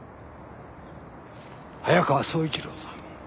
早川総一郎さん。